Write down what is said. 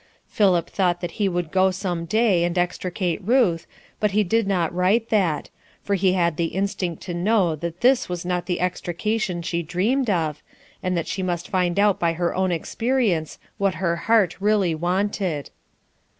Philip thought that he would go some day and extricate Ruth, but he did not write that, for he had the instinct to know that this was not the extrication she dreamed of, and that she must find out by her own experience what her heart really wanted.